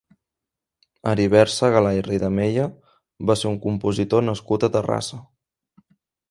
Heribert Segalà i Ridameya va ser un compositor nascut a Terrassa.